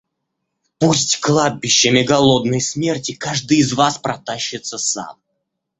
Пусть кладбищами голодной смерти каждый из вас протащится сам!